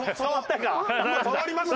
はい触りました。